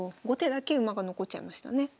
後手だけ馬が残っちゃいましたね。